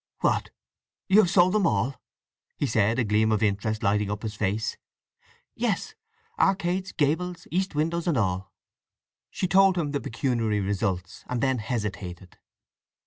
"What—you have sold them all?" he said, a gleam of interest lighting up his face. "Yes. Arcades, gables, east windows and all." She told him the pecuniary results, and then hesitated.